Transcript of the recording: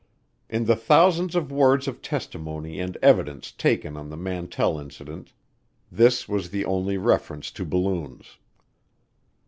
In the thousands of words of testimony and evidence taken on the Mantell Incident this was the only reference to balloons.